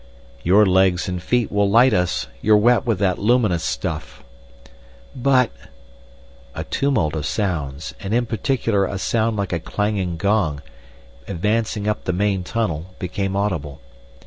"Your legs and feet will light us. You're wet with that luminous stuff." "But—" A tumult of sounds, and in particular a sound like a clanging gong, advancing up the main tunnel, became audible.